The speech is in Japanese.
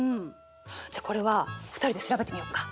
じゃあこれは２人で調べてみようか？